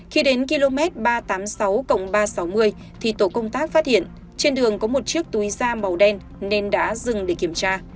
khi đến km ba trăm tám mươi sáu ba trăm sáu mươi thì tổ công tác phát hiện trên đường có một chiếc túi da màu đen nên đã dừng để kiểm tra